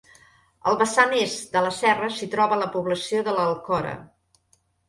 Al vessant est de la serra s'hi troba la població de l'Alcora.